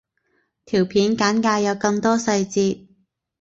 條片簡介有更多細節